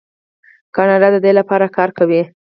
کاناډا د دې لپاره کار کوي.